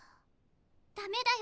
ダメだよ。